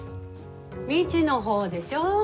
未知の方でしょ？